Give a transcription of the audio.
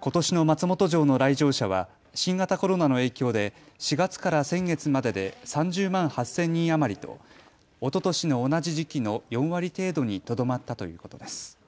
ことしの松本城の来場者は新型コロナの影響で４月から先月までで３０万８０００人余りとおととしの同じ時期の４割程度にとどまったということです。